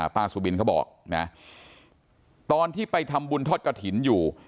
สุบินเขาบอกนะตอนที่ไปทำบุญทอดกระถิ่นอยู่